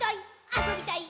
あそびたい！」